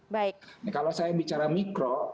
baik kalau saya bicara mikro